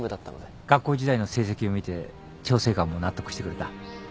学校時代の成績を見て調整官も納得してくれた。